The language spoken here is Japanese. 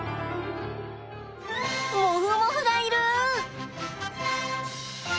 モフモフがいる！